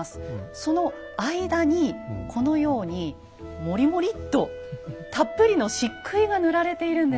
その間にこのようにもりもりっとたっぷりの漆喰が塗られているんです。